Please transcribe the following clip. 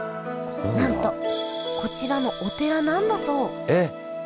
なんとこちらのお寺なんだそうえっ！？